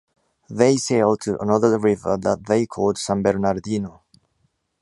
They sailed to another river that they called San Bernardino.